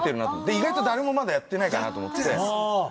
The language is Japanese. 意外と誰もまだやってないかなと思って。